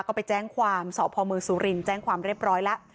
ก็ไปแจ้งความสพมสุรินทร์แจ้งความเรียบร้อยแล้ว